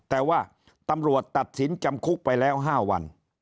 แต่ว่าตำรวจตัดสินจำคุกไปแล้ว๕วัน